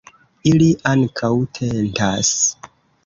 Ili ankaŭ tentas.